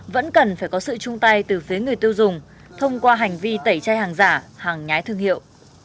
vẫn cần phải có sự chung tay từ phía người tiêu dùng thông qua hành vi tẩy chay hàng giả hàng nhái thương hiệu